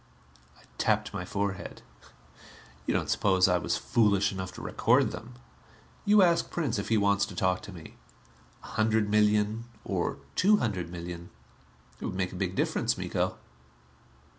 I tapped my forehead. "You don't suppose I was foolish enough to record them. You ask Prince if he wants to talk to me. A hundred million, or two hundred million it would make a big difference, Miko."